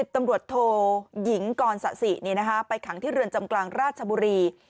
ตำรวจโทยิงกรสะสิไปขังที่เรือนจำกลางราชบุรี